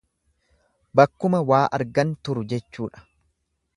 Bakkuma waa argan turu jechuudha.